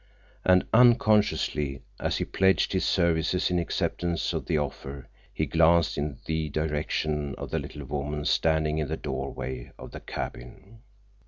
And unconsciously, as he pledged his services in acceptance of the offer, he glanced in the direction of the little woman standing in the doorway of the cabin.